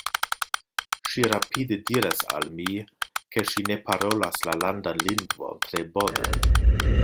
Ŝi rapide diras al mi, ke ŝi ne parolas la landan lingvon tre bone.